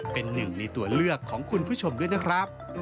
เป็นหนึ่งในตัวเลือกของคุณผู้ชมด้วยนะครับ